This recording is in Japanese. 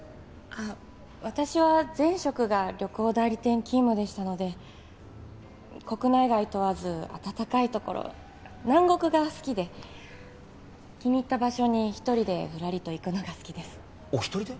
あっ私は前職が旅行代理店勤務でしたので国内外問わずあたたかいところ南国が好きで気に入った場所に１人でふらりと行くのが好きですお一人で？